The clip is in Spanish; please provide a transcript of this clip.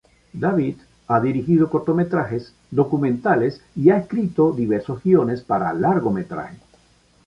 David ha dirigido cortometrajes, documentales y ha escrito diversos guiones para largometraje.